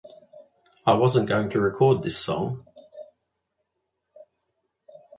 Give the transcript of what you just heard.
I wasn't going to record this song.